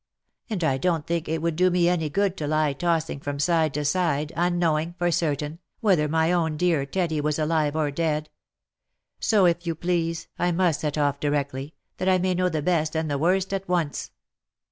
And I don't think it would do me any good to lie tossing from side to side, unknowing, for certain, whether my own dear Teddy was alive or dead ! So if you please, I must set off directly, that I may know the best and the worst at once."